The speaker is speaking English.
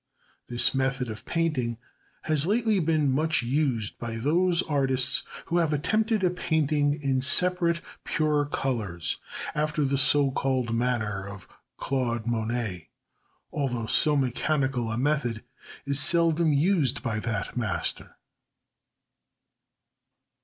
This method of painting has lately been much used by those artists who have attempted painting in separate, pure colours, after the so called manner of Claude Monet, although so mechanical a method is seldom used by that master.